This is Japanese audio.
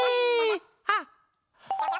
あっ！